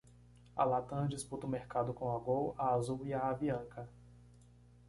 A Latam disputa o mercado com a Gol, a Azul e a Avianca.